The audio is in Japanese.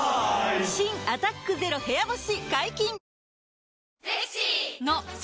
新「アタックＺＥＲＯ部屋干し」